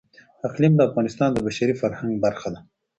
اقلیم د افغانستان د بشري فرهنګ برخه ده.